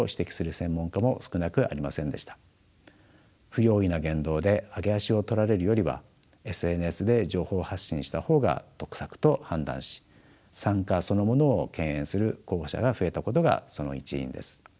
不用意な言動で揚げ足を取られるよりはＳＮＳで情報発信した方が得策と判断し参加そのものを敬遠する候補者が増えたことがその一因です。